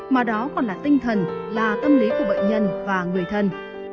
mà đó còn là tinh thần là tâm lý của bệnh nhân và người thân